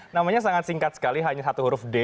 namanya sangat singkat sekali hanya satu huruf d